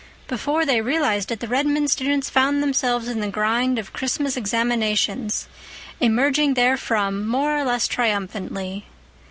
Before they realized it the Redmond students found themselves in the grind of Christmas examinations, emerging therefrom more or less triumphantly.